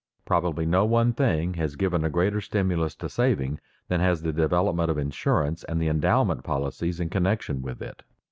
Probably no one thing has given a greater stimulus to saving than has the development of insurance and the endowment policies in connection with it.